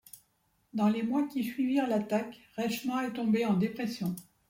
Dans les mois qui suivirent l'attaque Reshma est tombée en dépression.